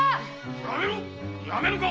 やめろやめんか！